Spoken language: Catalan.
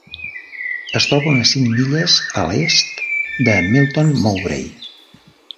Es troba a unes cinc milles a l'est de Melton Mowbray.